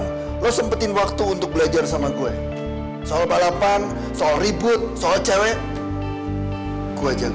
malahan dia juga yang ngerebut cewek saya bang